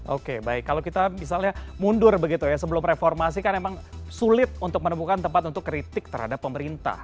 oke baik kalau kita misalnya mundur begitu ya sebelum reformasi kan memang sulit untuk menemukan tempat untuk kritik terhadap pemerintah